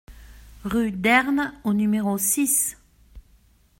Rue d'Herne au numéro six